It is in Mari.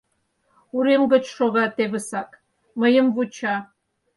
Урем гоч шога тевысак, мыйым вуча